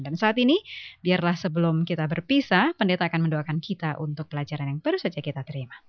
dan saat ini biarlah sebelum kita berpisah pendeta akan mendoakan kita untuk pelajaran yang baru saja kita terima